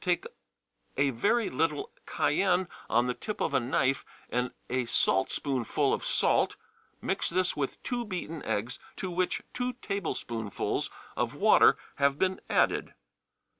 Take a very little cayenne on the tip of a knife and a saltspoonful of salt; mix this with two beaten eggs to which two tablespoonfuls of water have been added.